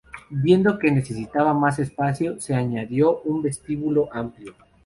Viendo que necesitaba más espacio, se añadió un vestíbulo amplio.